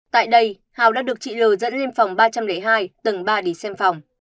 tại đây hào đã được chị l dẫn lên phòng ba trăm linh hai tầng ba để xem phòng